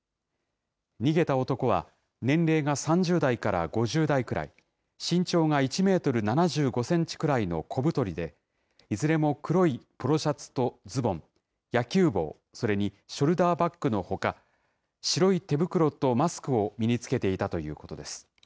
逃げた男は年齢が３０代から５０代くらい、身長が１メートル７５センチくらいの小太りで、いずれも黒いポロシャツとズボン、野球帽、それにショルダーバッグのほか、白い手袋とマスクを身に着けていたということです。